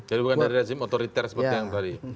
jadi bukan dari rezim otoriter seperti yang tadi